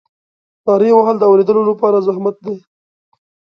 نارې وهل د اورېدلو لپاره زحمت دی.